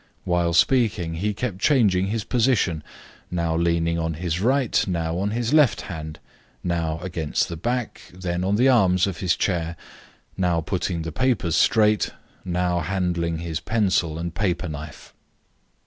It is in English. While speaking he kept changing his position; now leaning on his right, now on his left hand, now against the back, then on the arms of his chair, now putting the papers straight, now handling his pencil and paper knife.